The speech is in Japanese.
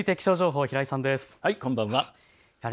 こんばんは。